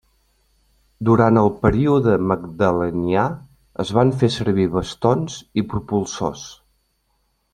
Durant el període magdalenià es van fer servir bastons i propulsors.